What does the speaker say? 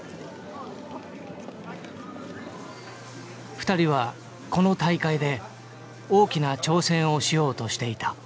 ２人はこの大会で大きな挑戦をしようとしていた。